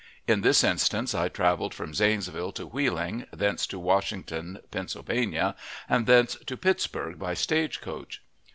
In this instance I traveled from Zanesville to Wheeling, thence to Washington (Pennsylvania), and thence to Pittsburg by stage coach.